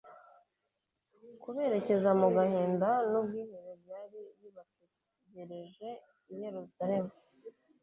kuberekeza mu gahinda n'ubwihebe byari bibategereje i Yerusalemu.